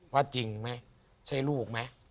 จริงไหมใช่ลูกไหม